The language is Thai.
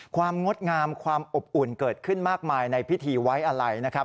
ความงดงามความอบอุ่นเกิดขึ้นมากมายในพิธีว้ายอาลัยนะครับ